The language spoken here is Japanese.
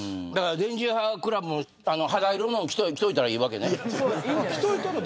電磁波クラブも肌色のを着といたらいいわけね。